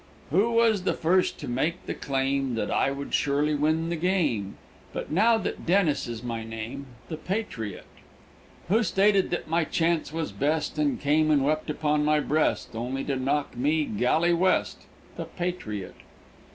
Who was the first to make the claim That I would surely win the game, But now that Dennis is my name? The Patriot. Who stated that my chance was best, And came and wept upon my breast, Only to knock me galley West? The Patriot.